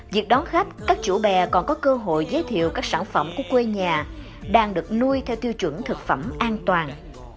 việc đón khách các chủ bè còn có cơ hội giới thiệu các sản phẩm của quê nhà đang được nuôi theo tiêu chuẩn thực phẩm an toàn